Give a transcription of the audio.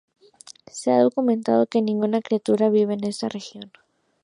Se ha documentado que ninguna criatura vive en esta región.